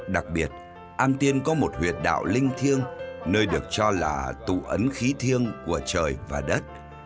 đặc biệt am tiên có một huyệt đạo linh thiêng nơi được cho là tụ ấn khí thiêng của trời và đất